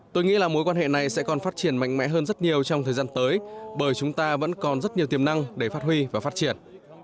tôi nghĩ là mối quan hệ này sẽ còn phát triển mạnh mẽ hơn rất nhiều trong thời gian tới bởi chúng ta vẫn còn rất nhiều tiềm năng để phát huy và phát triển